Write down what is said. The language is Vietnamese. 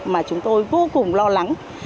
mà chúng tôi vô cùng lo lắng